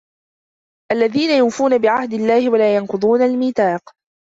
الذين يوفون بعهد الله ولا ينقضون الميثاق